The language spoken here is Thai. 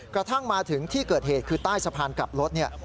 กระทั่งมาถึงที่เกิดเหตุคือใต้สะพานกลับรถเนี่ย